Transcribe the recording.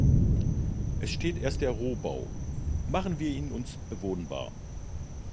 Es steht erst der Rohbau, machen wir ihn uns bewohnbar.